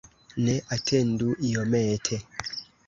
Ne, atendu iomete!